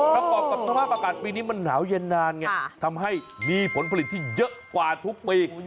ประกอบกับสภาพอากาศปีนี้มันหนาวเย็นนานไงทำให้มีผลผลิตที่เยอะกว่าทุกปี